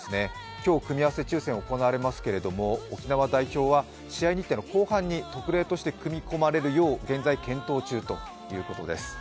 今日、組み合わせ抽選が行われますけれども、沖縄代表は試合日程の後半に特例として組み込まれるよう現在、検討中ということです。